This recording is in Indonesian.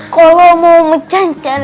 kalau mau mecancar